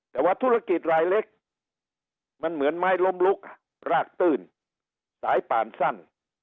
แต่ว่าธุรกิจรายเล็กมันเหมือนไม้ล้มลุกรากตื้นสายป่านสั้น